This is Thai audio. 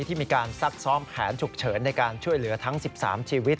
ที่มีการซักซ้อมแผนฉุกเฉินในการช่วยเหลือทั้ง๑๓ชีวิต